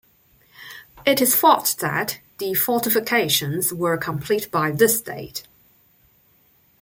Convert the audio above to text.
It is thought that the fortifications were complete by this date.